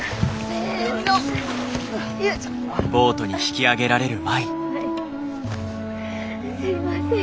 先輩すいません。